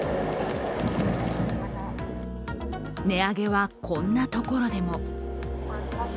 値上げは、こんなところでも。